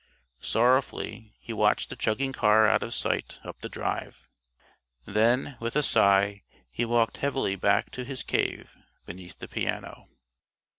Sorrowfully he watched the chugging car out of sight, up the drive. Then with a sigh he walked heavily back to his "cave" beneath the piano.